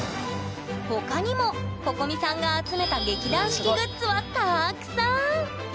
他にもここみさんが集めた劇団四季グッズはたくさん！